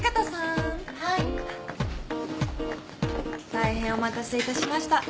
大変お待たせいたしました。